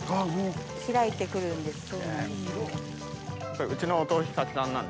開いて来るんです。